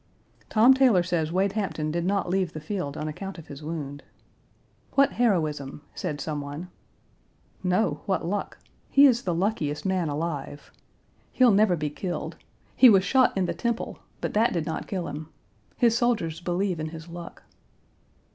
Tom Taylor says Wade Hampton did not leave the field on account of his wound. "What heroism!" said some one. No, what luck! He is the luckiest man alive. He'll Page 182 never be killed. He was shot in the temple, but that did not kill him. His soldiers believe in his luck.